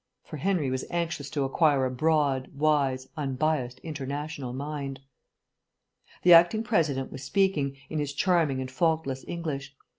For Henry was anxious to acquire a broad, wise, unbiased international mind. The acting President was speaking, in his charming and faultless English.